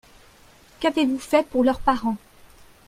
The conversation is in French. Qu’avez-vous fait pour leurs parents?